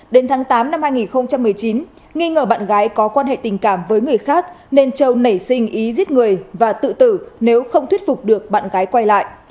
đến tháng tám năm hai nghìn một mươi chín nghi ngờ bạn gái có quan hệ tình cảm với người khác nên châu nảy sinh ý giết người và tự tử nếu không thuyết phục được bạn gái quay lại